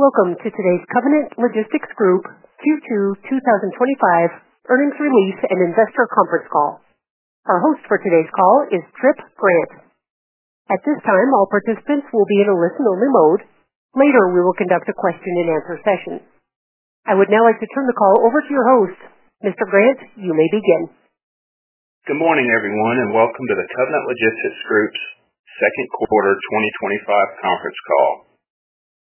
Welcome to today's Covenant Logistics Group Inc. Q2 2025 earnings release and investor conference call. Our host for today's call is Tripp Grant. At this time, all participants will be in a listen-only mode. Later, we will conduct a question-and-answer session. I would now like to turn the call over to your host. Mr. Grant, you may begin, sir. Good morning, everyone, and welcome to the Covenant Logistics Group Inc.'s second quarter 2025 conference call.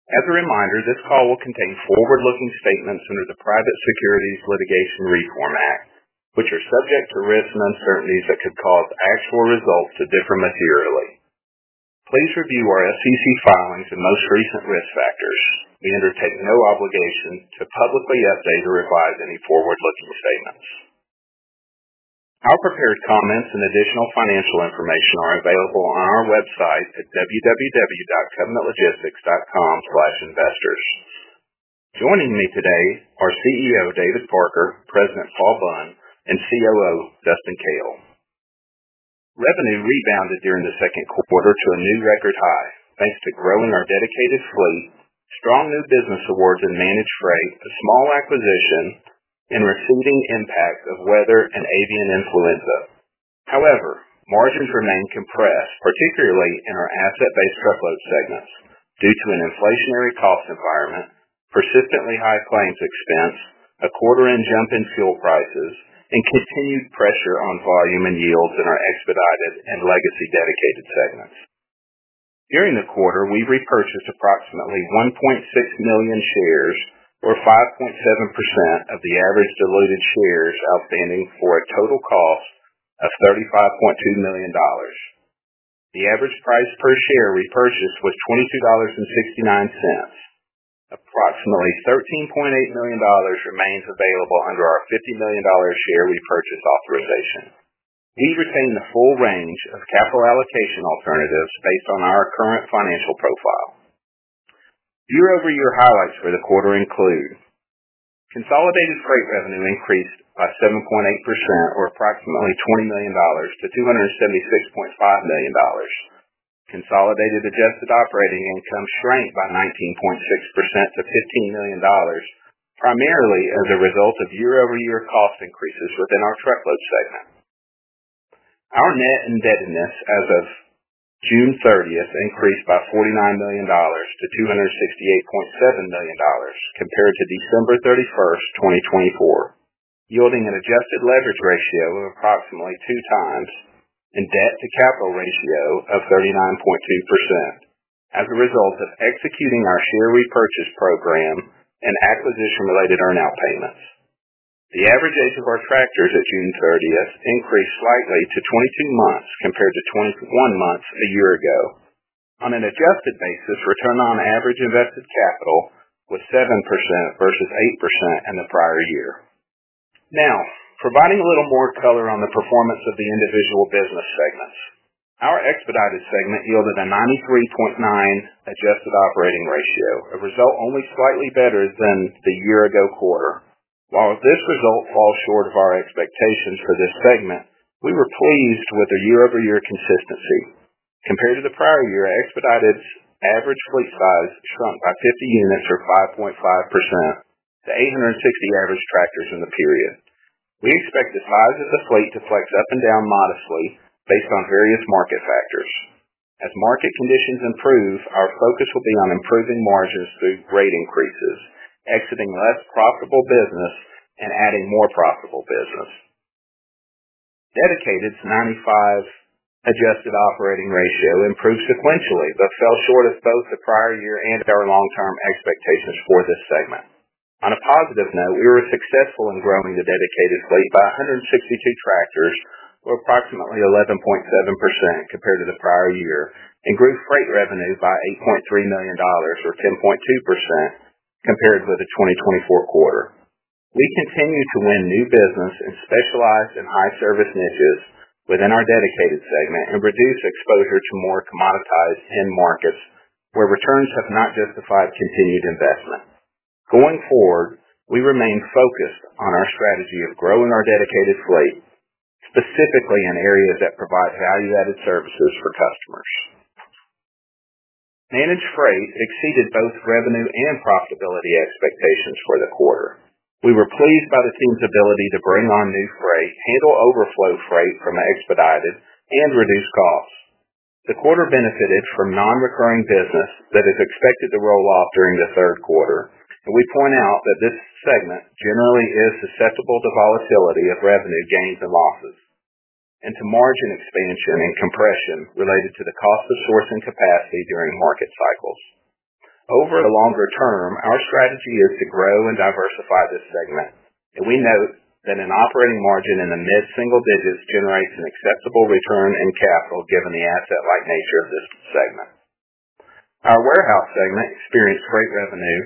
As a reminder, this call will contain forward-looking statements under the Private Securities Litigation Reform Act, which are subject to risks and uncertainties that could cause actual results to differ materially. Please review our SEC filings and most recent risk factors. We undertake no obligation to publicly update or revise any forward-looking statements. Our prepared comments and additional financial information are available on our website at www.covenantlogistics.com/investors. Joining me today are CEO David Parker, President Paul Bunn, and COO Justin Kale. Revenue rebounded during the second quarter to a new record high thanks to growing our dedicated fleet, strong new business awards in managed freight, small acquisitions, and a receding impact of weather and Avian Influenza. However, margins remain compressed, particularly in our asset-based segments due to an inflationary cost environment, persistently high claims expense, a quarter-inch jump in fuel prices, and continued pressure on volume and yields in our expedited and legacy dedicated segments. During the quarter, we repurchased approximately 1.6 million shares, or 5.7% of the average diluted shares outstanding, for a total cost of $35.2 million. The average price per share repurchased was $22.69. Approximately $13.8 million remains available under our $50 million Share Repurchase Authorization. We retain the full range of capital allocation alternatives based on our current financial profile. Year-over-year highlights for the quarter include Consolidated freight revenue increased by 7.8%, or approximately $20 million, to $276.5 million. Consolidated adjusted operating income shrank by 19.6% to $15 million, primarily as a result of year-over-year cost increases within our truckload segment. Our Net Indebtedness as of June 30th increased by $49 million to $268.7 million compared to December 31st, 2024, yielding an adjusted leverage ratio of approximately two times and debt-to-capital ratio of 39.2% as a result of executing our share repurchase program and acquisition-related earnout payments. The average age of our tractors at June 30th increased slightly to 22 months compared to 21 months a year ago. On an adjusted basis, Return on Average Invested Capital was 7% versus 8% in the prior year. Now, providing a little more color on the performance of the individual business segments, our expedited segment yielded a 93.9% Adjusted Operating Ratio, a result only slightly better than the year-ago quarter. While this result falls short of our expectations for this segment, we were pleased with the year-over-year consistency. Compared to the prior year, our expedited average fleet size shrunk by 50 units or 5.5% to 860 average tractors in the period. We expect the size of the fleet to flex up and down modestly based on various market factors. As market conditions improve, our focus will be on improving margins through rate increases, exiting less profitable business, and adding more profitable business. Dedicated's 95% Adjusted Operating Ratio improved sequentially, though it fell short of both the prior year and our long-term expectations for this segment. On a positive note, we were successful in growing the dedicated fleet by 162 tractors or approximately 11.7% compared to the prior year and grew freight revenue by $8.3 million or 10.2% compared with the 2024 quarter. We continue to win new business and specialize in high-service niches within our dedicated segment and reduce exposure to more commoditized end markets where returns have not justified continued investment. Going forward, we remain focused on our strategy of growing our dedicated fleet specifically in areas that provide value-added services for customers. Managed freight exceeded both revenue and profitability expectations for the quarter. We were pleased by the team's ability to bring on new freight, handle overflow freight from expedited, and reduce costs. The quarter benefited from non-recurring business that is expected to roll off during the third quarter. We point out that this segment generally is susceptible to volatility of revenue gains and losses and to margin expansion and compression related to the cost of sourcing capacity during market cycles. Over the longer term, our strategy is to grow and diversify this segment. We note that an operating margin in the mid-single digits generates an acceptable return in capital given the asset-light nature of this segment. Our warehouse segment experienced gross revenue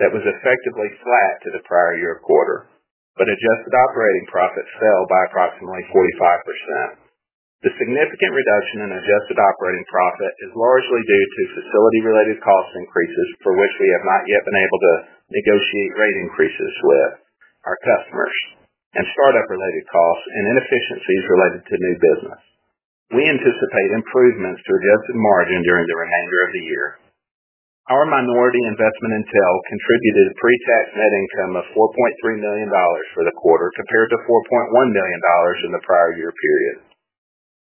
that was effectively flat to the prior year quarter, but adjusted operating profits fell by approximately 45%. The significant reduction in adjusted operating profit is largely due to facility-related cost increases for which we have not yet been able to negotiate rate increases with our customers, and startup-related costs and inefficiencies related to new business. We anticipate improvements to adjusted margin during the remainder of the year. Our minority investment in Transport Enterprise Leasing contributed a pre-tax net income of $4.3 million for the quarter compared to $4.1 million in the prior year period.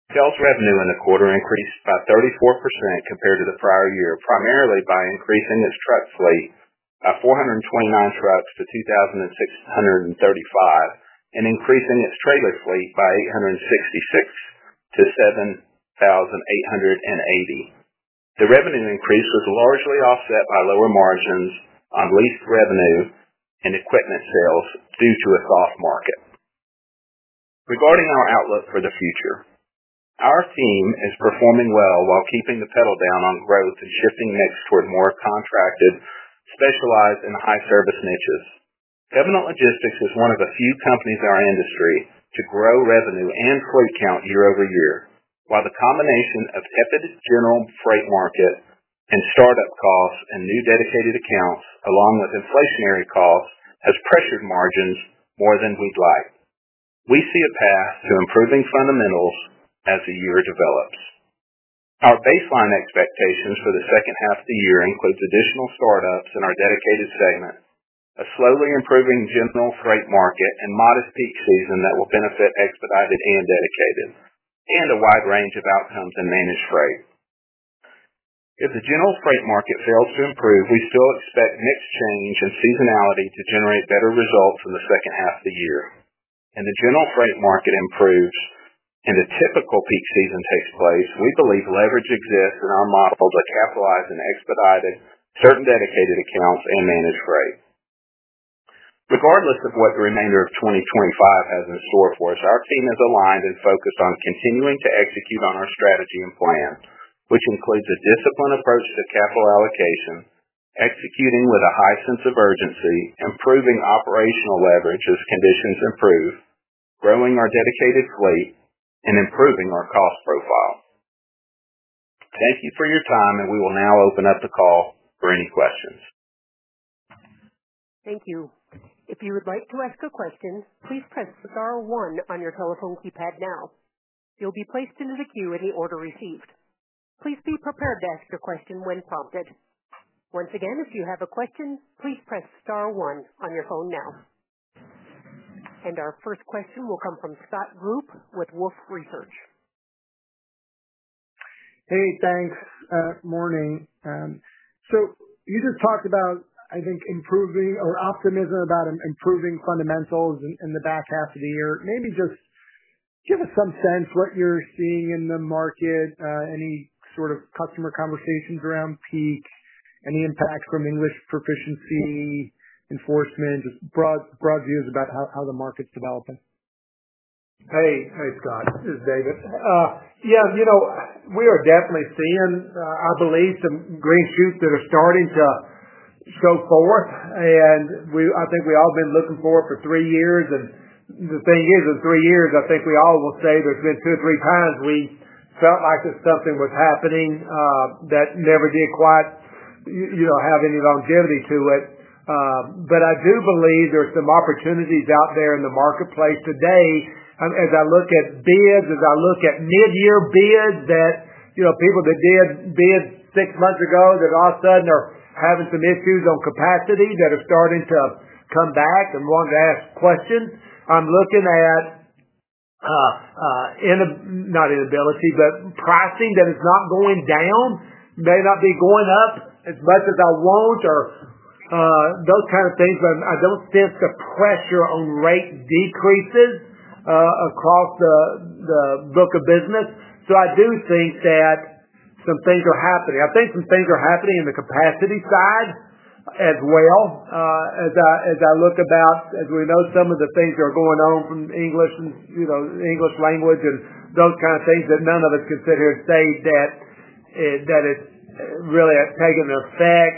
Transport Enterprise Leasing's revenue in the quarter increased by 34% compared to the prior year, primarily by increasing its truck fleet by 429 trucks to 2,635 and increasing its trailer fleet by 866 to 7,880. The revenue increase was largely offset by lower margins on leased revenues and equipment sales due to a soft market. Regarding our outlook for the future, our team is performing well while keeping the pedal down on growth and shifting next toward more contracted, specialized in the high-service niches. Covenant Logistics Group Inc. is one of the few companies in our industry to grow revenue and fleet count year over year, while the combination of tepid general freight market and startup costs and new dedicated accounts, along with inflationary costs, has pressured margins more than we'd like. We see a path to improving fundamentals as the year develops. Our baseline expectations for the second half of the year include additional startups in our dedicated segment, a slowly improving general freight market, and modest Peak Season that will benefit expedited and dedicated, and a wide range of outcomes in managed freight. If the general freight market fails to improve, we still expect mix change and Seasonality to generate better results in the second half of the year. When the general freight market improves and the typical Peak Season takes place, we believe leverage exists in our market to capitalize on expedited, certain dedicated accounts, and managed freight. Regardless of what the remainder of 2025 has in store for us, our team is aligned and focused on continuing to execute on our strategy and plan, which includes a disciplined approach to capital allocation, executing with a high sense of urgency, improving operational leverage as conditions improve, growing our dedicated fleet, and improving our cost profile. Thank you for your time, and we will now open up the call for any questions. Thank you. If you would like to ask a question, please press star one on your telephone keypad now. You'll be placed in the queue in the order received. Please be prepared to ask a question when prompted. Once again, if you have a question, please press star one on your phone now. Our first question will come from Scott Group with Wolfe Research. Hey, thanks. Good morning. You just talked about, I think, improving or optimism about improving fundamentals in the back half of the year. Maybe just give us some sense of what you're seeing in the market, any sort of customer conversations around Peak, any impact from English Proficiency Enforcement, broad views about how the market's developing. Hey, hey, Scott. This is David. You know, we are definitely seeing, I believe, some green shoots that are starting to show forth. We, I think we all have been looking forward for three years. The thing is, in three years, I think we all will say there's been two or three times we felt like something was happening that never did quite, you know, have any longevity to it. I do believe there are some opportunities out there in the marketplace today. As I look at bids, as I look at mid-year bids that, you know, people that did bids six months ago that all of a sudden are having some issues on capacity that are starting to come back and want to ask questions. I'm looking at, not inability, but pricing that is not going down, may not be going up as much as I want or those kinds of things. I don't sense the pressure on rate decreases across the book of business. I do think that some things are happening. I think some things are happening in the capacity side as well, as I look about, as we know some of the things that are going on from English and, you know, English language and those kinds of things that none of us considered saying that it that it's really taking an effect.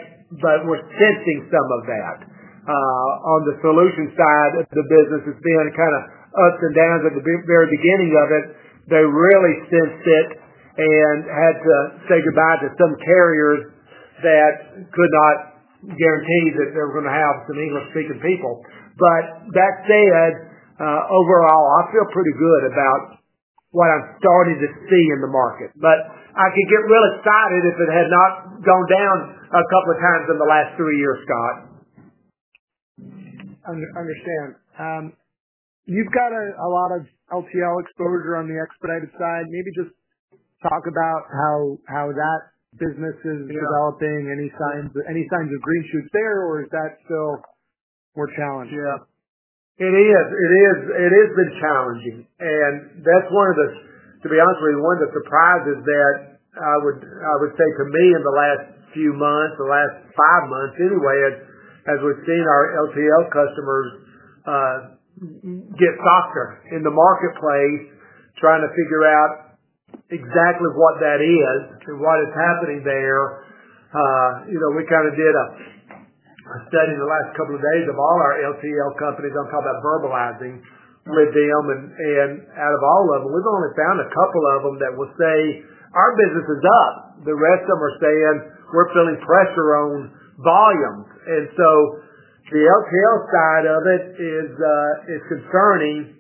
We're testing some of that on the solution side with the business. It's been kind of ups and downs at the very beginning of it. They really sensed it and had to say goodbye to some carriers that could not guarantee that they were going to have some English-sPeaking people. That said, overall, I feel pretty good about what I'm starting to see in the market. I could get real excited if it had not gone down a couple of times in the last three years, Scott. I understand. You've got a lot of LTL exposure on the expedited side. Maybe just talk about how that business is developing. Any signs of green shoots there, or is that still more challenging? It is. It has been challenging. That's one of the, to be honest with you, one of the surprises that I would say to me in the last few months, the last five months anyway, as we've seen our LTL customers get softer in the marketplace, trying to figure out exactly what that is and what is happening there. We kind of did a study in the last couple of days of all our LTL companies. I'm talking about verbalizing with them. Out of all of them, we've only found a couple of them that will say our business is up. The rest of them are saying we're feeling pressure on volumes. The LTL side of it is concerning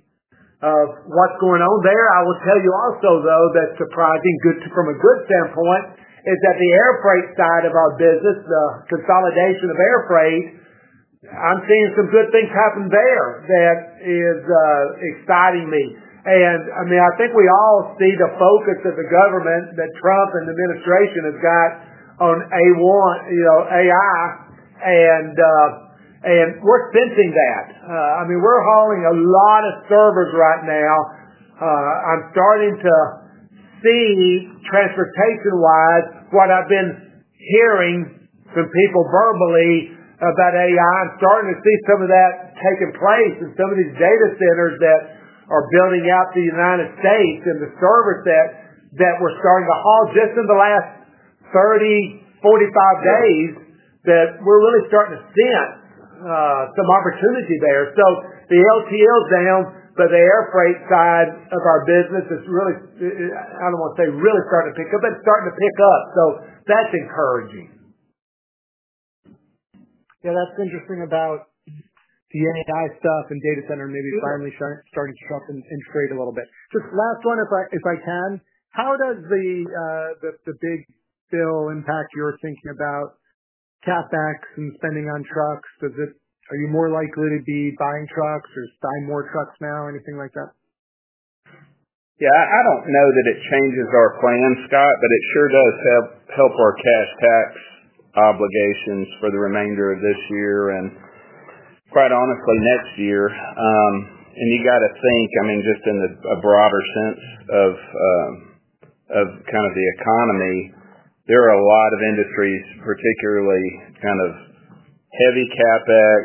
of what's going on there. I will tell you also, though, that's surprising, good too from a good standpoint, is that the Air Freight side of our business, the consolidation ofAir Freight, I'm seeing some good things happen there that is exciting me. I mean, I think we all see the focus of the government that Trump and the administration has got on AI, and we're sensing that. I mean, we're hauling a lot of servers right now. I'm starting to see transportation-wise what I've been hearing from people verbally about AI. I'm starting to see some of that taking place in some of these Data Centers that are building out the United States and the servers that we're starting to haul just in the last 30, 45 days that we're really starting to see some opportunity there. The LTL down, but the Air Freight side of our business is really, I don't want to say really starting to pick up, but starting to pick up. That's encouraging. That's interesting about the AI stuff and Data Center maybe finally starting to trump and trade a little bit. Just last one, if I can. How does the big bill impact your thinking about CapEx and spending on trucks? Are you more likely to be buying trucks or buying more trucks now, anything like that? I don't know that it changes our plan, Scott, but it sure does help our cash tax obligations for the remainder of this year and, quite honestly, next year. You got to think, I mean, just in a broader sense of the economy, there are a lot of industries, particularly kind of heavy CapEx.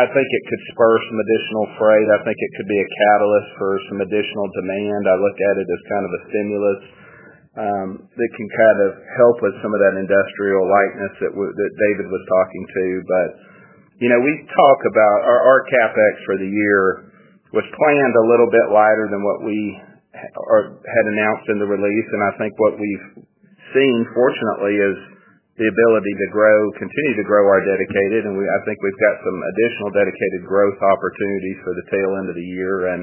I think it could spur some additional Freight. I think it could be a catalyst for some additional demand. I look at it as kind of a stimulus that can help with some of that industrial lightness that David was talking to. We talk about our CapEx for the year was planned a little bit lighter than what we had announced in the release. I think what we've seen, fortunately, is the ability to continue to grow our dedicated. I think we've got some additional dedicated growth opportunities for the tail end of the year, and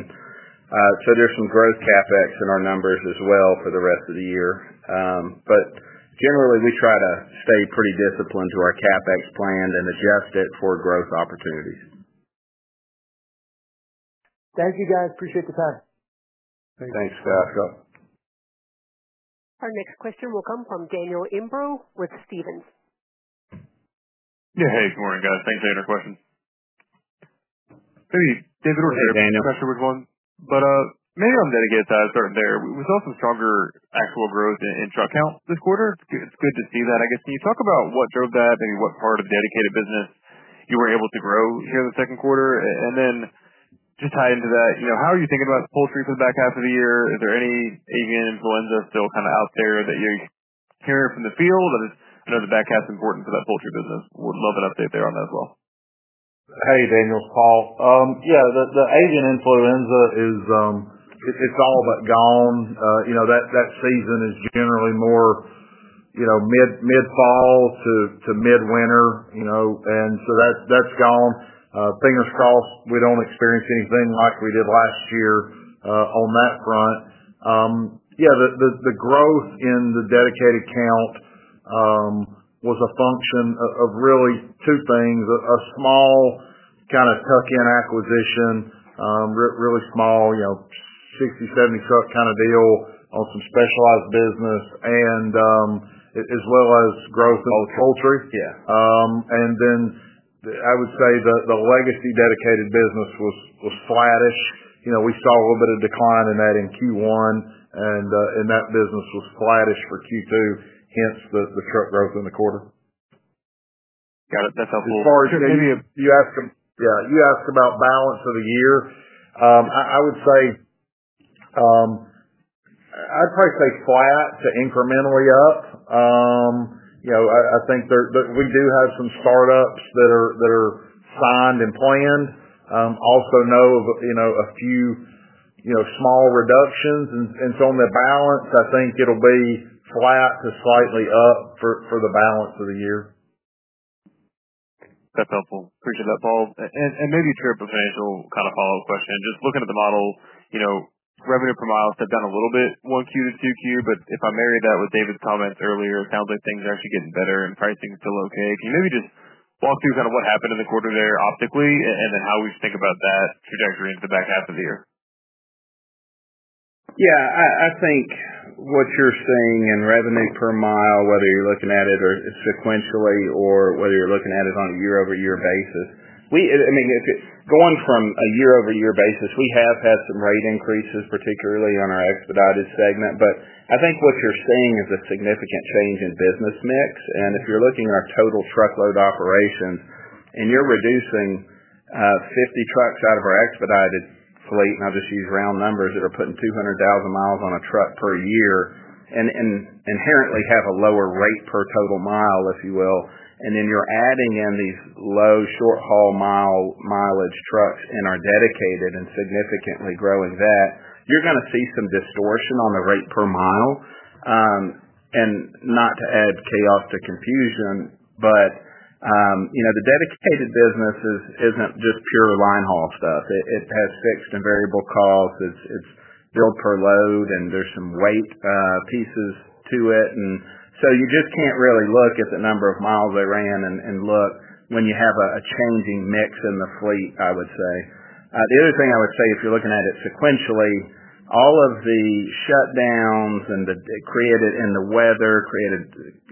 there's some growth CapEx in our numbers as well for the rest of the year. Generally, we try to stay pretty disciplined to our CapEx plan and adjust it for growth opportunities. Thank you, guys. Appreciate the time. Thanks, Scott. Our next question will come from Daniel Robert Imbro with Stephens. Yeah, good morning. Thanks for the question. Hey, David. Over to you, Daniel. Professor was one. Maybe I'm going to get that started there. We saw some stronger actual growth in truck count this quarter. It's good to see that, I guess. Can you talk about what drove that? Maybe what part of dedicated business you were able to grow here in the second quarter? Just tie into that, you know, how are you thinking about Poultry for the back half of the year? Is there any Avian Influenza still kind of out there that you're hearing from the field? I just know the back half is important for that Poultry business. Would love an update there on that as well. Hey, Daniel. Paul. Yeah, the Avian Influenza is all but gone. You know, that Season is generally more mid-fall to mid-winter, and so that's gone. Fingers crossed we don't experience anything like we did last year on that front. Yeah, the growth in the dedicated count was a function of really two things: a small kind of Tuck-In Acquisition, really small, you know, 60, 70 truck kind of deal on some specialized business, as well as growth in Poultry. Yeah. I would say the legacy dedicated business was flattest. We saw a little bit of decline in that in Q1, and that business was flattish for Q2, hence the truck growth in the quarter. Got it. That's helpful. As far as maybe you asked about balance of the year, I'd probably say flat to incrementally up. I think we do have some startups that are signed and planned. I also know of a few small reductions. On the balance, I think it'll be flat to slightly up for the balance of the year. That's helpful. Appreciate that, Paul. Maybe a true professional kind of follow-up question. Just looking at the model, you know, revenue per miles have done a little bit one Q to two Q, but if I marry that with David's comments earlier, it sounds like things are actually getting better and pricing is still okay. Can you maybe just walk through kind of what happened in the quarter there optically and then how we think about that trajectory into the back half of the year? I think what you're seeing in revenue per mile, whether you're looking at it sequentially or whether you're looking at it on a year-over-year basis, we have had some rate increases, particularly on our expedited services segment. I think what you're seeing is a significant change in business mix. If you're looking at our total truckload operations and you're reducing 50 trucks out of our expedited fleet, and I'll just use round numbers that are putting 200,000 miles on a truck per year and inherently have a lower rate per total mile, if you will, and then you're adding in these low short-haul mileage trucks in our dedicated fleet and significantly growing that, you're going to see some distortion on the rate per mile. Not to add chaos to confusion, but the dedicated business isn't just pure line haul stuff. It has fixed and variable costs. It's drilled per load, and there's some weight pieces to it. You just can't really look at the number of miles they ran when you have a changing mix in the fleet, I would say. The other thing I would say, if you're looking at it sequentially, all of the shutdowns and the weather created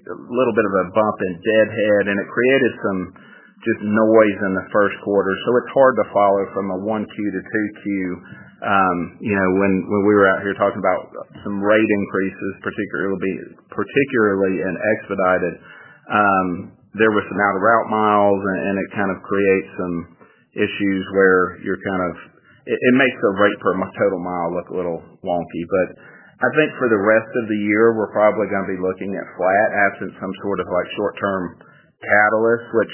a little bit of a bump in deadhead, and it created some noise in the first quarter. It's hard to follow from Q1 to Q2. When we were out here talking about some rate increases, it would be particularly in expedited services. There was some out-of-route miles, and it kind of creates some issues where it makes the rate per total mile look a little wonky. I think for the rest of the year, we're probably going to be looking at flat absent some sort of short-term catalyst, which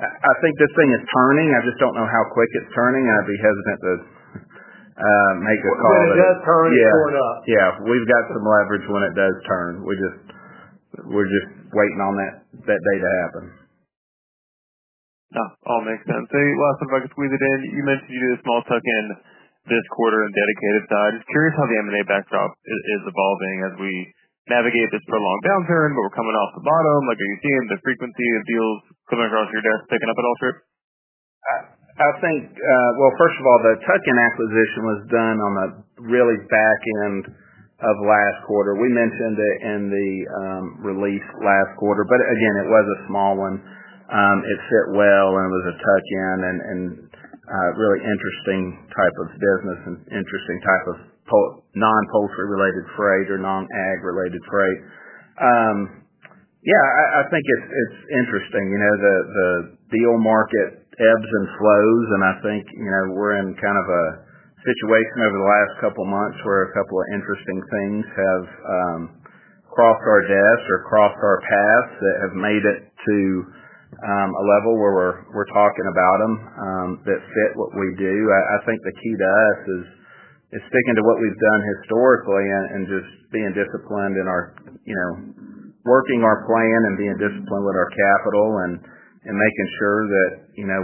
I think the thing is turning. I just don't know how quick it's turning. I'd be hesitant to make a call. If it does turn, it's going up. Yeah, we've got some leverage when it does turn. We're just waiting on that day to happen. Yeah, all makes sense. I'll focus with you, David. You mentioned you did a small tuck-in this quarter on the dedicated side. Just curious how the M&A backdrop is evolving as we navigate this prolonged downturn, but we're coming off the bottom. Are you seeing the frequency of deals coming across your desk picking up at all, Tripp? First of all, the Tuck-In Acquisition was done on the really back end of last quarter. We mentioned it in the release last quarter. It was a small one. It fit well, and it was a tuck-in and really interesting type of business and interesting type of non-Poultry-related freight or non-ag-related freight. I think it's interesting. The deal market ebbs and flows, and I think we're in kind of a situation over the last couple of months where a couple of interesting things have cropped our desk or cropped our paths that have made it to a level where we're talking about them, that fit what we do. I think the key to us is sticking to what we've done historically and just being disciplined in our working our plan and being disciplined with our capital and making sure that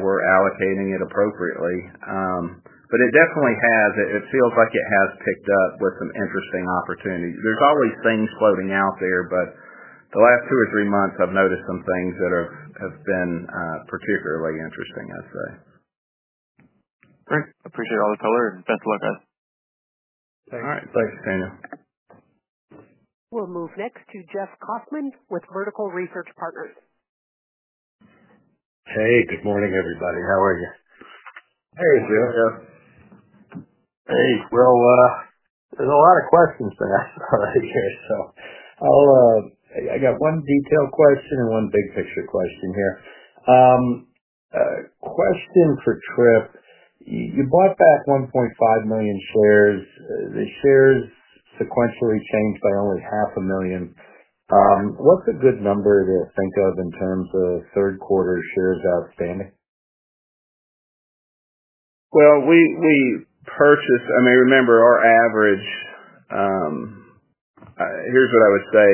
we're allocating it appropriately. It definitely has, it feels like it has picked up with some interesting opportunities. There's always things floating out there, but the last two or three months, I've noticed some things that have been particularly interesting, I'd say. Great. Appreciate all the color, and thanks a lot, guys. Thanks. All right. Thanks, Daniel. We'll move next to Jeffrey Asher Kauffman with Vertical Research Partners. Hey, good morning, everybody. How are you? Hey, good. Hey. There are a lot of questions for us already here, so I've got one detailed question and one big picture question here. Question for Tripp. You bought back 1.5 million shares. The shares sequentially changed by only half a million. What's a good number to think of in terms of third-quarter shares outstanding? I mean, remember our average, here's what I would say.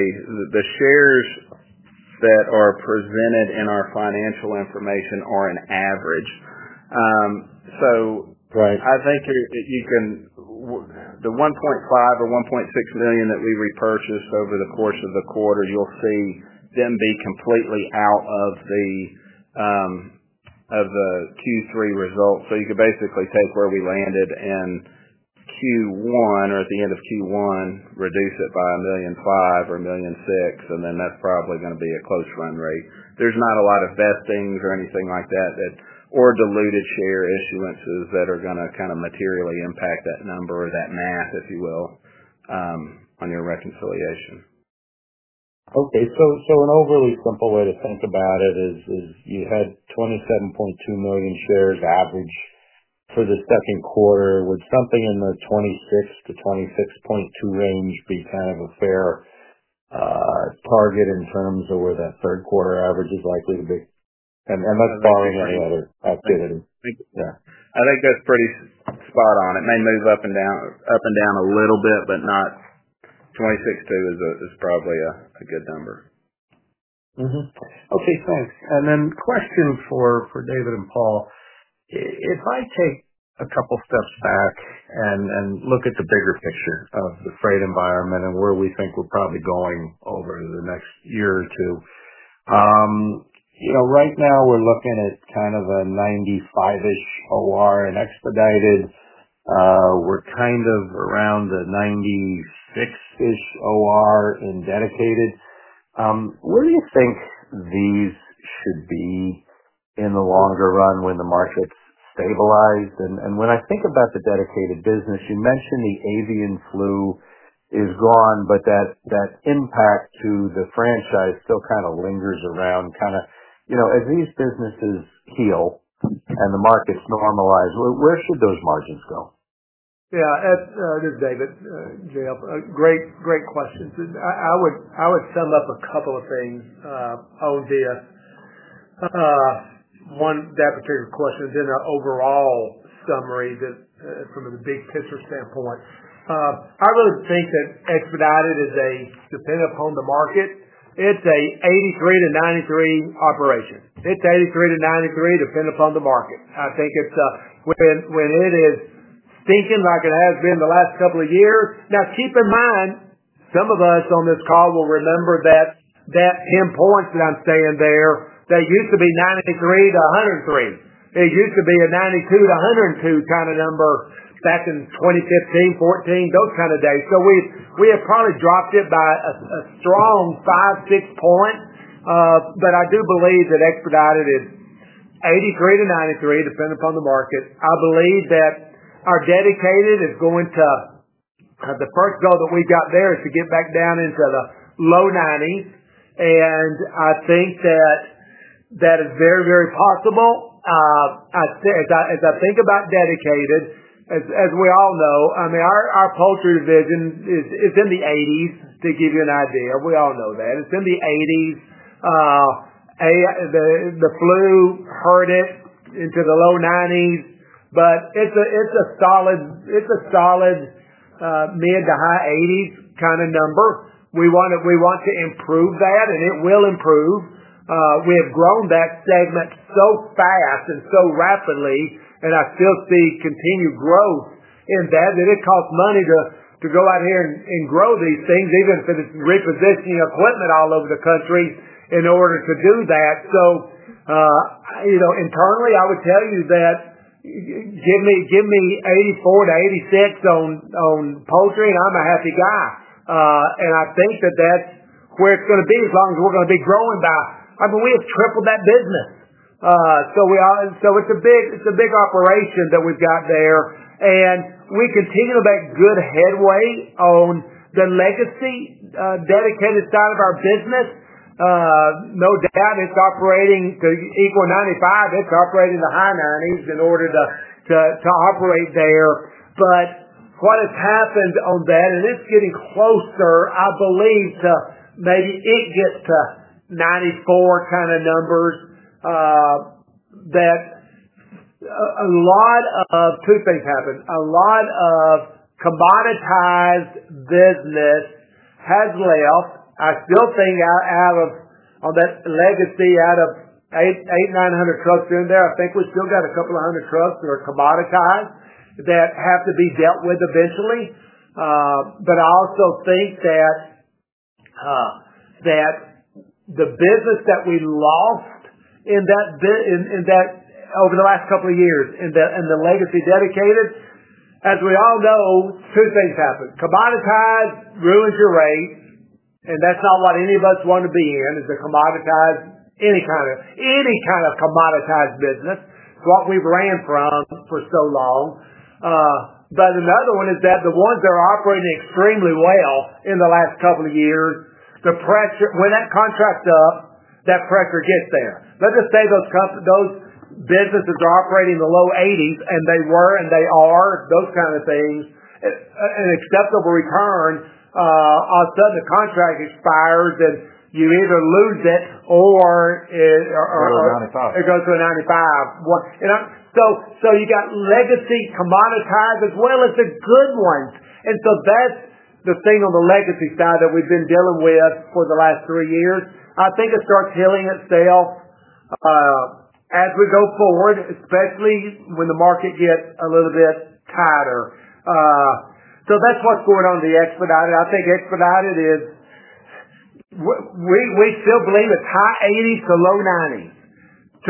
The shares that are presented in our financial information are an average. I think you can, the $1.5 and $1.6 million that we repurchased over the course of the quarter, you'll see them be completely out of the Q3 results. You could basically take where we landed in Q1 or at the end of Q1, reduce it by $1.5 or $1.6 million, and then that's probably going to be a close run rate. There's not a lot of vestings or anything like that or diluted share influences that are going to materially impact that number or that math, if you will, on your reconciliation. Okay. An overly simple way to think about it is you had 27.2 million shares average for the second quarter. Would something in the 26 to 26.2 range be kind of a fair target in terms of where that third-quarter average is likely to be? That's following any other activity. Yeah, I think that's pretty spot on. It may move up and down a little bit, but 26 to is probably a good number. Okay, thanks. Question for David and Paul. If I take a couple of steps back and look at the bigger picture of the freight environment and where we think we're probably going over the next year or two, right now we're looking at kind of a 95% OR in expedited. We're kind of around a 96% OR in dedicated. Where do you think these should be in the longer run when the market's stabilized? When I think about the dedicated business, you mentioned the Avian flu is gone, but that impact to the franchise still kind of lingers around. As these businesses heal and the market's normalized, where should those margins go? Yeah, this is David. Great, great questions. I would sum up a couple of things on this. One, that particular question is in an overall summary that, from the big picture standpoint, I really think that expedited is, depending upon the market, it's an 83 to 93 operation. It's 83 to 93 depending upon the market. I think it's, when it is stinking like it has been the last couple of years. Now, keep in mind, some of us on this call will remember that in points that I'm saying there, that used to be 93 to 103. It used to be a 92 to 102 kind of number back in 2015, 2014, those kind of days. We have probably dropped it by a strong five, six points. I do believe that expedited is 83 to 93 depending upon the market. I believe that our dedicated is going to, the first goal that we got there is to get back down into the low 90s. I think that is very, very possible. As I think about dedicated, as we all know, our Poultry Division is in the 80s, to give you an idea. We all know that. It's in the 80s. The flu hurt it into the low 90s, but it's a solid, mid to high 80s kind of number. We want to improve that, and it will improve. We have grown that segment so fast and so rapidly, and I still see continued growth in that. It costs money to go out here and grow these things, even for this repositioning equipment all over the country in order to do that. Internally, I would tell you that you give me 84 to 86 on Poultry, and I'm a happy guy. I think that that's where it's going to be as long as we're going to be growing by, I mean, we have tripled that business. It's a big operation that we've got there. We continue to make good headway on the legacy dedicated side of our business. No doubt, it's operating to equal 95. It's operating in the high 90s in order to operate there. What has happened on that, and it's getting closer, I believe, to maybe it gets to 94 kind of numbers, a lot of two things happen. A lot of commoditized business has left. I still think out of on that legacy, out of 800, 900 trucks in there, I think we still got a couple of hundred trucks that are commoditized that have to be dealt with eventually. I also think that the business that we lost in that, over the last couple of years in the legacy dedicated, as we all know, two things happen. Commoditized ruins your rate, and that's not what any of us want to be in, is a commoditized, any kind of commoditized business, what we've ran from for so long. Another one is that the ones that are operating extremely well in the last couple of years, the pressure, when that contract's up, that pressure gets there. Let's just say those companies, those businesses that are operating in the low 80s, and they were and they are, those kind of things, an acceptable return, all of a sudden the contract expires and you either lose it or it. Goes down to 5. It goes to a 95. You got legacy commoditized as well as the good ones. That's the thing on the legacy side that we've been dealing with for the last three years. I think it starts healing itself as we go forward, especially when the market gets a little bit tighter. That's what's going on with expedited. I think expedited is, we still believe it's high 80s to low 90s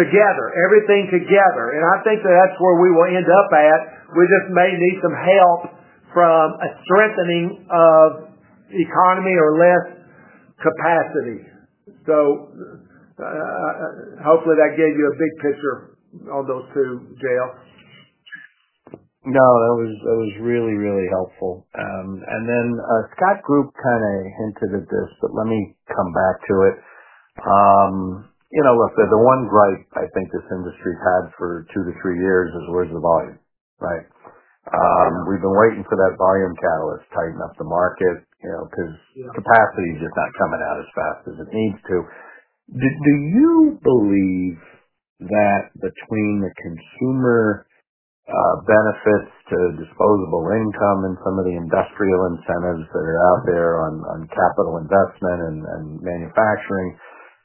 together, everything together. I think that's where we will end up at. We just may need some help from a strengthening of the economy or less capacity. Hopefully, that gave you a big picture on those two, Daniel. No, that was really, really helpful. Scott Group kind of hinted at this, but let me come back to it. You know, listen, the one gripe, I think, this industry's had for two to three years is words of volume, right? We've been waiting for that volume catalyst to tighten up the market, you know, because capacity is just not coming out as fast as it needs to. Do you believe that between the consumer, benefits to disposable income, and some of the industrial incentives that are out there on capital investment and manufacturing,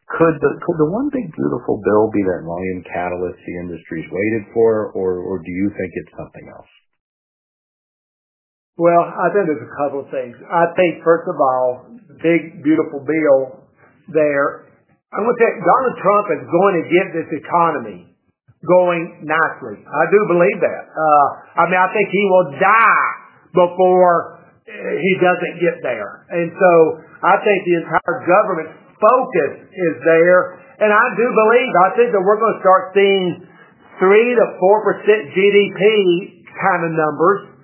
could the one big beautiful bill be that volume catalyst the industry's waited for, or do you think it's something else? I think there's a couple of things. First of all, the big beautiful bill there, I want that Donald Trump is going to get this economy going nicely. I do believe that. I think he will die before he doesn't get there. I think the entire government's focus is there. I do believe that we're going to start seeing 3% to 4% GDP kind of numbers.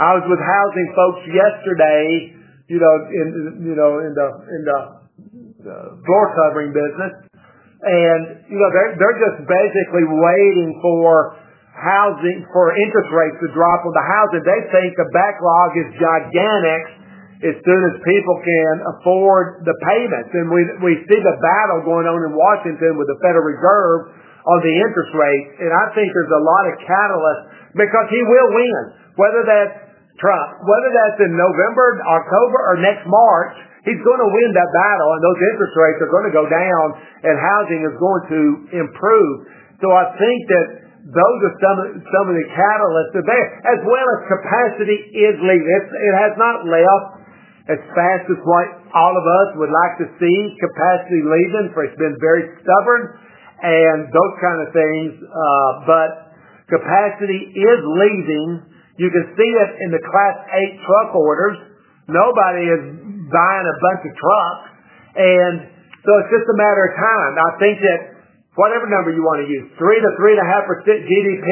I was with housing folks yesterday, in the floor covering business, and they're just basically waiting for interest rates to drop on the housing. They think the backlog is gigantic as soon as people can afford the payment. We see the battle going on in Washington with the Federal Reserve on the interest rates. I think there's a lot of catalysts because he will win. Whether that's Trump, whether that's in November, October, or next March, he's going to win that battle, and those interest rates are going to go down, and housing is going to improve. I think that those are some of the catalysts that are there, as well as capacity is leaving. It has not left as fast as what all of us would like to see capacity leaving for, it's been very stubborn and those kind of things, but capacity is leaving. You can see it in the Class 8 truck orders. Nobody is buying a bunch of trucks. It's just a matter of time. I think that whatever number you want to use, 3% to 3.5% GDP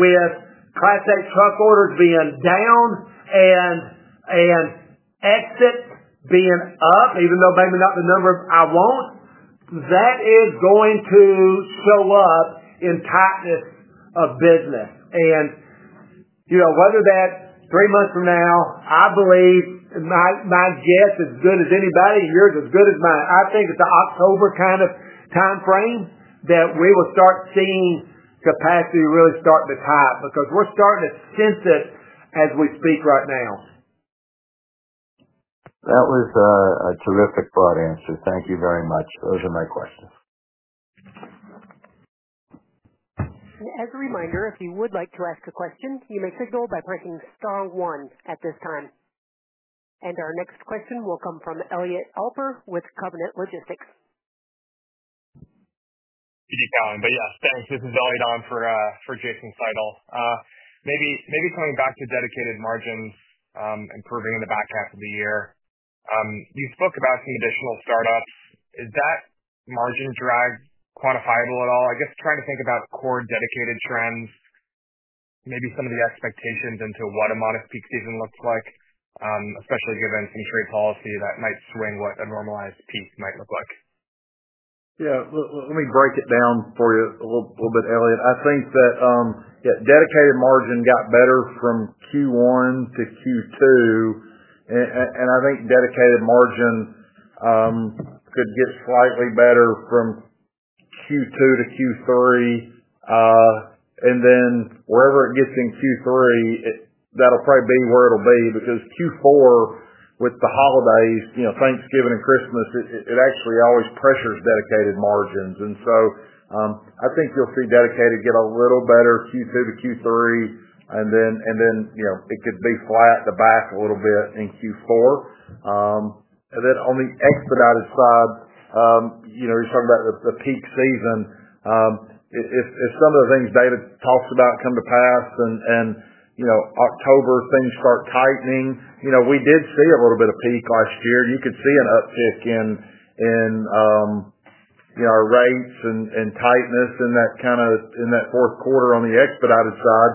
with Class 8 truck orders being down and exits being up, even though maybe not the number I want, that is going to show up in continents of business. Whether that's three months from now, I believe, and my guess is as good as anybody and yours is as good as mine, I think it's the October kind of timeframe that we will start seeing capacity really start to tighten because we're starting to sense it as we speak right now. That was a terrific thought answer. Thank you very much. Those are my questions. As a reminder, if you would like to ask a question, you may signal by pressing star one at this time. Our next question will come from Elliot Andrew Alper with Covenant Logistics Group Inc. Thank you, Colin. Thanks. This is Elliot Andrew Alper for Jason Seidel. Maybe going back to dedicated margins, improving in the back half of the year. You spoke about some additional startups. Is that margin drag quantifiable at all? I guess trying to think about core dedicated trends, maybe some of the expectations into what a modest Peak Season looks like, especially given some trade policy that might swing what a normalized Peak might look like. Yeah, let me break it down for you a little bit, Elliot. I think that, yeah, dedicated margin got better from Q1 to Q2. I think dedicated margin could get slightly better from Q2 to Q3. Wherever it gets in Q3, that'll probably be where it'll be because Q4 with the holidays, you know, Thanksgiving and Christmas, it actually always pressures dedicated margins. I think you'll see dedicated get a little better Q2 to Q3, and then, you know, it could be flat at the back a little bit in Q4. On the expedited side, you know, you're talking about the Peak Season. If some of the things David talks about come to pass and, you know, October things start tightening, you know, we did see a little bit of Peak last year. You could see an uptick in, you know, our rates and tightness in that kind of in that fourth quarter on the expedited side.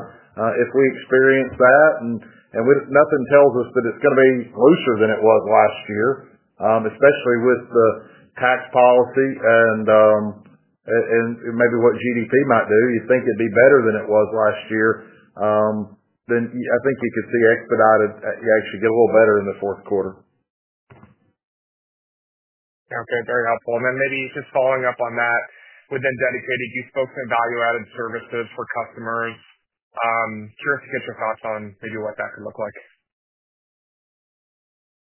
If we experience that, and nothing tells us that it's going to be looser than it was last year, especially with the tax policy and maybe what GDP might do, you think it'd be better than it was last year, then I think you could see expedited actually get a little better in the fourth quarter. Okay, very helpful. Maybe you could follow up on that within dedicated. You spoke to value-added services for customers. Curious to get your thoughts on thinking what that could look like.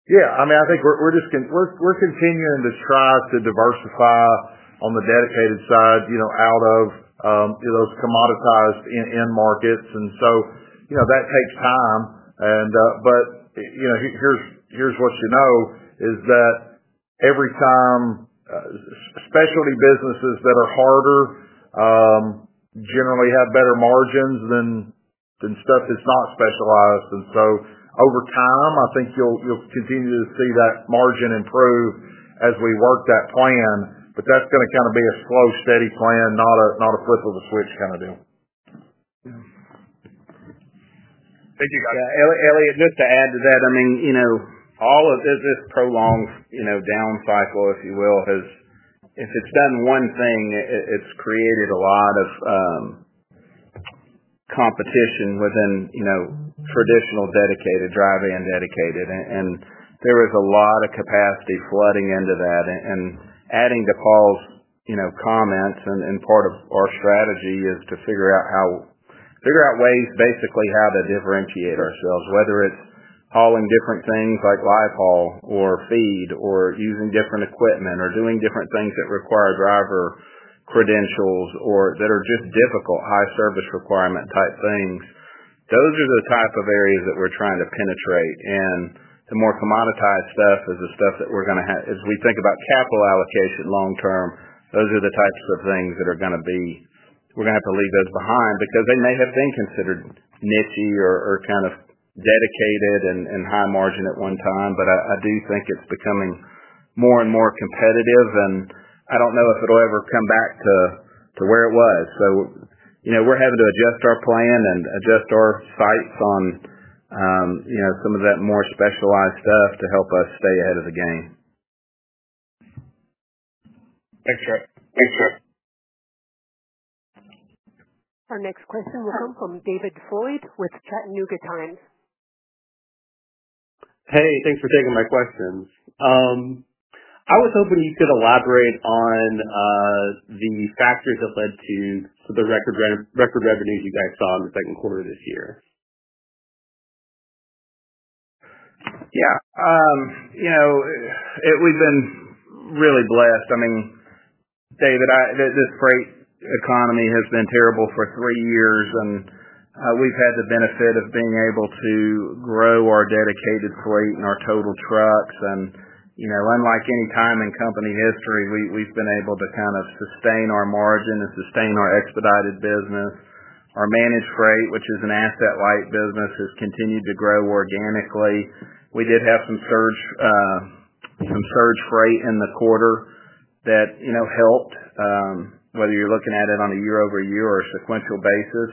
Yeah, I mean, I think we're just getting, we're continuing to try to diversify on the dedicated side, you know, out of those commoditized end markets. That takes time. Here's what you know is that every time, specialty businesses that are harder generally have better margins than stuff that's not specialized. Over time, I think you'll continue to see that margin improve as we work that plan. That's going to kind of be a slow, steady plan, not a not a prickle to switch kind of deal. Thank you, guys. Elliot, just to add to that, all of this prolonged down cycle, if you will, has, if it's done one thing, it's created a lot of competition within traditional dedicated, drive-in dedicated. There is a lot of capacity flooding into that. Adding to Paul's comments and part of our strategy is to figure out ways basically how to differentiate ourselves, whether it's hauling different things like live haul or feed or using different equipment or doing different things that require driver credentials or that are just difficult, high service requirement type things. Those are the type of areas that we're trying to penetrate. The more commoditized stuff is the stuff that we're going to have, as we think about capital allocation long term, those are the types of things that are going to be, we're going to have to leave those behind because they may have been considered nifty or kind of dedicated and high margin at one time. I do think it's becoming more and more competitive, and I don't know if it'll ever come back to where it was. We're having to adjust our plan and adjust our sights on some of that more specialized stuff to help us stay ahead of the game. Thanks, Tripp. Our next question will come from David Floyd with Chattanooga Times. Hey, thanks for taking my questions. I was hoping you could elaborate on the factors that led to the record revenues you guys saw in the second quarter of this year. Yeah, you know, we've been really blessed. I mean, David, this freight economy has been terrible for three years, and we've had the benefit of being able to grow our dedicated freight and our total trucks. You know, unlike any time in company history, we've been able to kind of sustain our margin and sustain our expedited business. Our managed freight, which is an asset-light business, has continued to grow organically. We did have some surge freight in the quarter that helped, whether you're looking at it on a year-over-year or a sequential basis,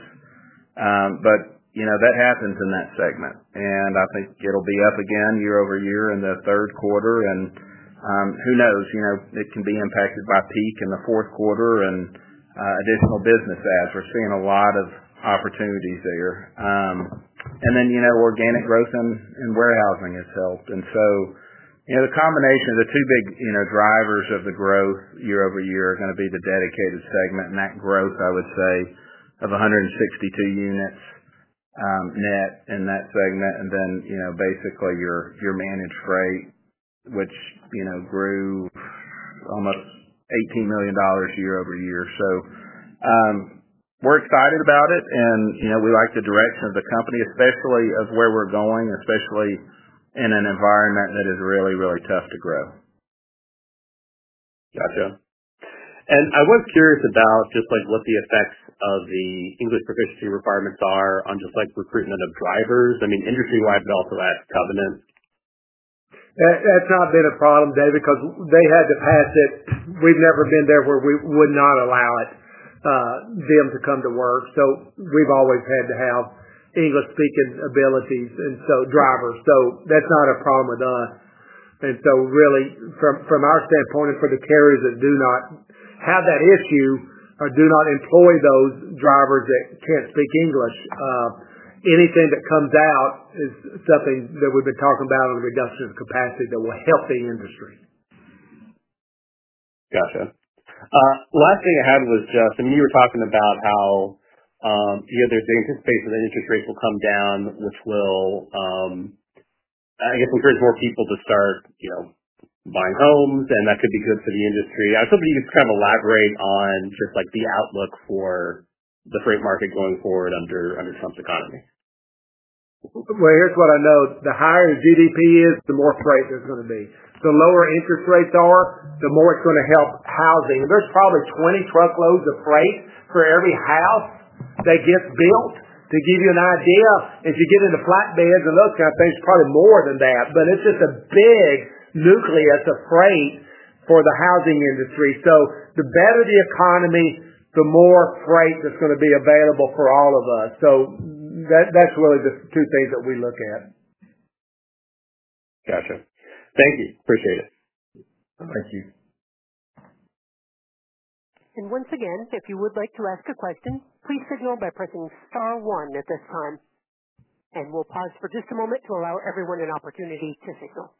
but that happens in that segment. I think it'll be up again year-over-year in the third quarter. Who knows? It can be impacted by Peak in the fourth quarter and additional business adds. We're seeing a lot of opportunities there. Organic growth in warehousing has helped. The combination of the two big drivers of the growth year-over-year are going to be the dedicated segment and that growth, I would say, of 162 units, net in that segment. Basically, your managed freight, which grew almost $18 million year-over-year. We're excited about it, and we like the direction of the company, especially where we're going, especially in an environment that is really, really tough to grow. I was curious about what the effects of the Englisoficiency requirements are on recruitment of drivers. I mean, industry-wide, but also at Covenant Logistics Group Inc. That's not been a problem, David, because they had to pass it. We've never been there where we would not allow them to come to work. We've always had to have English-sPeaking abilities and drivers, so that's not a problem with us. Really, from our standpoint and for the carriers that do not have that issue or do not employ those drivers that can't sPeak English, anything that comes out is something that we've been talking about on the reduction of capacity that will help the industry. Gotcha. Last thing I had was, Jeff, and you were talking about how, you know, there's an interest space where the interest rates will come down, which will, I guess, encourage more people to start, you know, buying homes, and that could be good for the industry. I was hoping you could just kind of elaborate on just like the outlook for the freight market going forward under Trump's economy. The higher the GDP is, the more freight there's going to be. The lower interest rates are, the more it's going to help housing. There's probably 20 truckloads of freight for every house that gets built. To give you an idea, if you get into flatbeds and looks, I think it's probably more than that. It's just a big nucleus of freight for the housing industry. The better the economy, the more freight that's going to be available for all of us. That's really the two things that we look at. Gotcha. Thank you. Appreciate it. Thank you. If you would like to ask a question, please signal by pressing star one at this time. We'll pause for just a moment to allow everyone an opportunity to signal.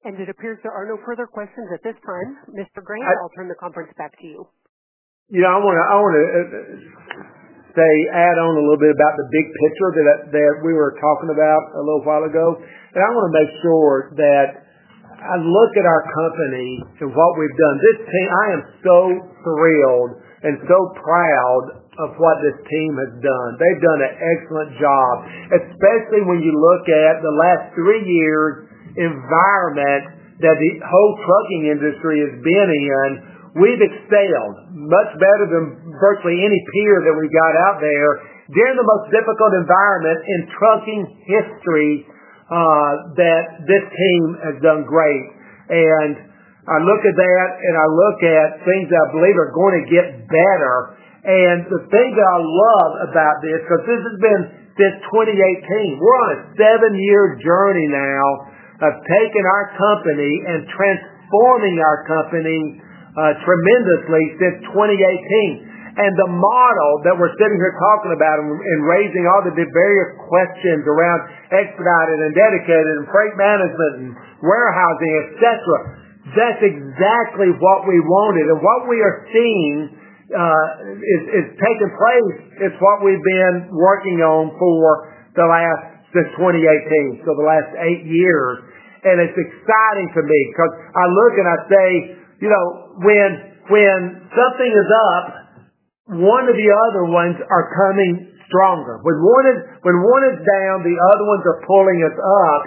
It appears there are no further questions at this time. Mr. Grant, I'll turn the conference back to you. I want to say add on a little bit about the big picture that we were talking about a little while ago. I want to make sure that I look at our company to what we've done. This team, I am so thrilled and so proud of what this team has done. They've done an excellent job, especially when you look at the last three years' environment that the whole trucking industry has been in. We've excelled much better than virtually any peer that we've got out there. They're in the most difficult environment in trucking history, that this team has done great. I look at that, and I look at things that I believe are going to get better. The thing that I love about this, because this has been since 2018, we're on a seven-year journey now of taking our company and transforming our company, tremendously since 2018. The model that we're sitting here talking about and raising all the various questions around expedited and dedicated and freight management and warehousing, et cetera, that's exactly what we wanted. What we are seeing is taking place is what we've been working on for the last since 2018, so the last eight years. It's exciting to me because I look and I say, you know, when something is up, one of the other ones are coming stronger. When one is down, the other ones are pulling it up.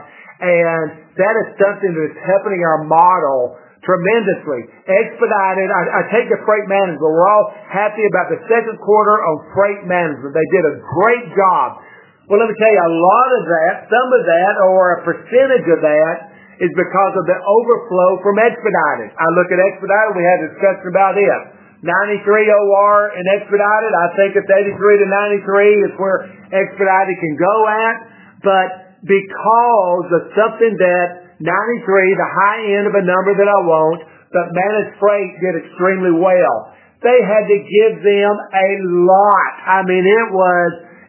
That is something that is happening in our model tremendously. Expedited, I take a freight management. We're all happy about the second quarter on freight management. They did a great job. Let me tell you, a lot of that, some of that, or a percentage of that is because of the overflow from expedited. I look at expedited. We had a discussion about it. 93 OR in expedited. I think it's 83 to 93 is where expedited can go at. Because of something that 93, the high end of a number that I want, but managed freight did extremely well. They had to give them a lot. I mean,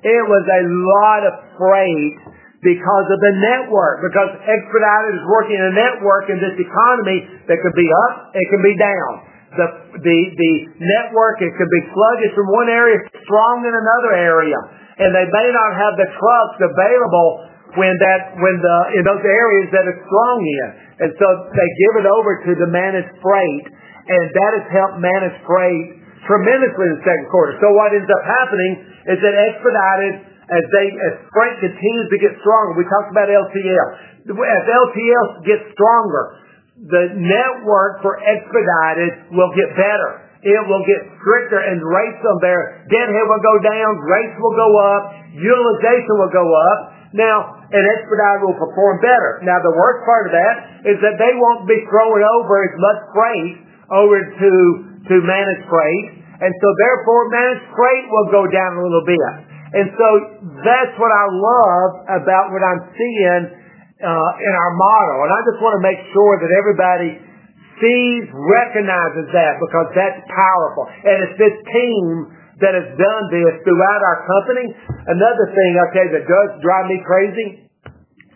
it was a lot of freight because of the network, because expedited is working in a network in this economy that can be up and can be down. The network can be sluggish from one area, strong in another area. They may not have the trucks available in those areas that are strong here. They give it over to the managed freight. That has helped managed freight tremendously in the second quarter. What ends up happening is that expedited, as freight continues to get stronger, we talked about LTL. As LTL gets stronger, the network for expedited will get better. It will get stricter, and rates will be better. Detail will go down, rates will go up, utilization will go up. Now, expedited will perform better. The worst part of that is that they won't be throwing over as much freight over to managed freight, and therefore, managed freight will go down a little bit. That's what I love about what I'm seeing in our model. I just want to make sure that everybody recognizes that because that's powerful, and it's this team that has done this throughout our company. Another thing that does drive me crazy,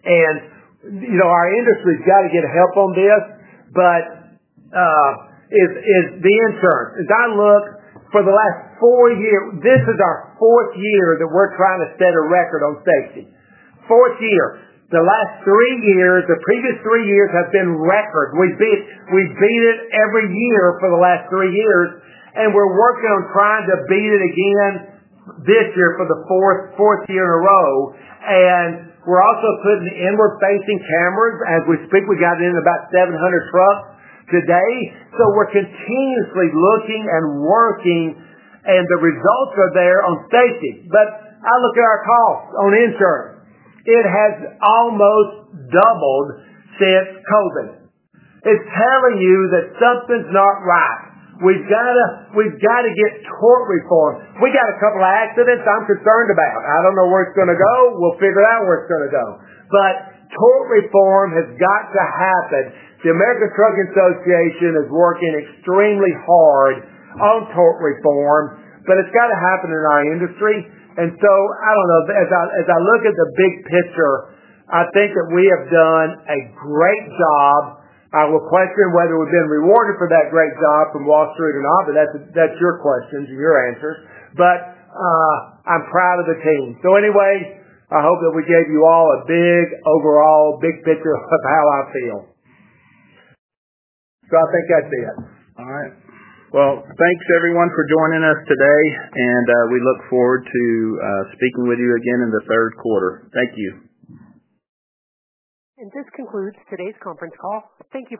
and you know our industry has got to get help on this, is the insurance. Don looked for the last four years; this is our fourth year that we're trying to set a record on station. The last three years, the previous three years have been record. We've beat it every year for the last three years, and we're working on trying to beat it again this year for the fourth year in a row. We're also putting inward-facing cameras. As we speak, we got in about 700 trucks today. We're continuously looking and working, and the results are there on station. I look at our cost on insurance. It has almost doubled since COVID. It's telling you that something's not right. We've got to get Tort Reform. We got a couple of accidents I'm concerned about. I don't know where it's going to go. We'll figure out where it's going to go, but Tort Reform has got to happen. The American Trucking Associations is working extremely hard on Tort Reform, but it's got to happen in our industry. I don't know. As I look at the big picture, I think that we have done a great job. I will question whether we've been rewarded for that great job from Wall Street or not, but that's your questions and your answers. I'm proud of the team. I hope that we gave you all a big overall big picture of how I feel. I think that's it. All right. Thank you everyone for joining us today. We look forward to sPeaking with you again in the third quarter. Thank you. This concludes today's conference call. Thank you.